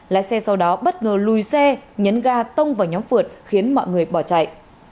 lái xe sau đó bất ngờ lùi xe nhấn ga tông vào nhóm phượt khiến mọi người bỏ chạy